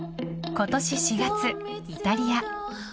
今年４月、イタリア。